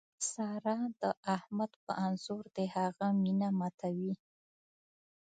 سارا د احمد په انځور د هغه مینه ماتوي.